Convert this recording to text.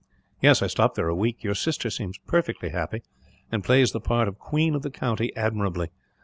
"Yes, I stopped there a week. Your sister seems perfectly happy, and plays the part of queen of the county admirably.